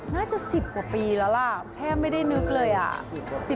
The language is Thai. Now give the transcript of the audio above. น่าจะ๑๐กว่าปีแล้วล่ะแทบไม่ได้นึกเลยอ่ะ